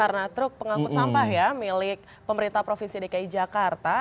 karena truk pengangkut sampah ya milik pemerintah provinsi dki jakarta